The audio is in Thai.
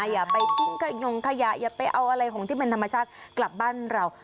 อย่าไปทิ้งขยงขยะอย่าไปเอาอะไรของที่เป็นธรรมชาติกลับบ้านเรา